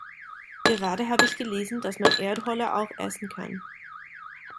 Gerade hab ich gelesen, dass man Erdholler auch essen kann.